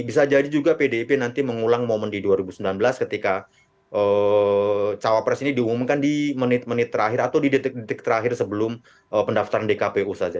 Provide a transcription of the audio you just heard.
bisa jadi juga pdip nanti mengulang momen di dua ribu sembilan belas ketika cawapres ini diumumkan di menit menit terakhir atau di detik detik terakhir sebelum pendaftaran dkpu saja